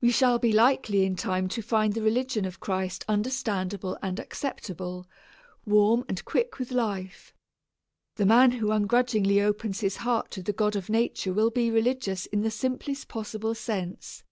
We shall be likely in time to find the religion of Christ understandable and acceptable warm and quick with life. The man who ungrudgingly opens his heart to the God of nature will be religious in the simplest possible sense.